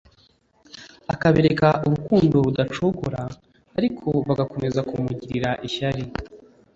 akabereka urukundo rudacogora ; ariko bagakomeza kumugirira ishyari,